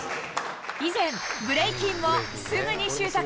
以前、ブレイキンをすぐに習得。